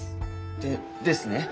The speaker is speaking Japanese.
でですね